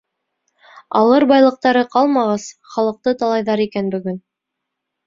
Алыр байлыҡтары ҡалмағас, халыҡты талайҙар икән бөгөн.